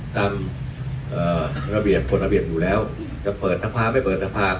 ตามระเบียบกฎระเบียบอยู่แล้วจะเปิดสภาไม่เปิดสภา